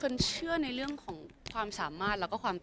บางทีเค้าแค่อยากดึงเค้าต้องการอะไรจับเราไหล่ลูกหรือยังไง